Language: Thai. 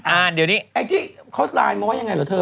อ่าเดี๋ยวนี้แองจี้เขาไลน์มาว่ายังไงเหรอเธอ